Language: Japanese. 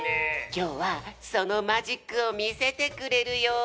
今日はそのマジックを見せてくれるよ。